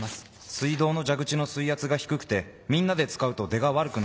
「水道の蛇口の水圧が低くてみんなで使うと出が悪くなります」